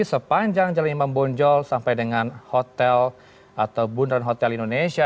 sepanjang jalan imam bonjol sampai dengan hotel atau bundaran hotel indonesia